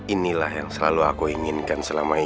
inilah yang selalu aku inginkan selama ini